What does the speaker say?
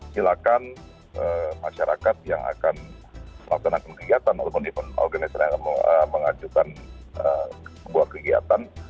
silakan masyarakat yang akan melaksanakan kegiatan ataupun event organisasi yang akan mengajukan sebuah kegiatan